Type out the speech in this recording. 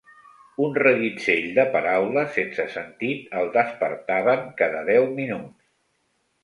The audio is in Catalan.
Un reguitzell de paraules sense sentit el despertaven cada deu minuts.